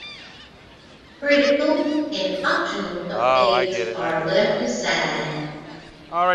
Critical and optional updates are left aside.